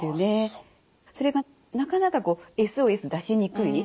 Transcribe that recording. それがなかなかＳＯＳ出しにくい。